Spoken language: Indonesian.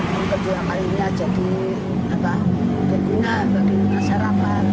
dan kedua kalinya jadi berguna bagi masyarakat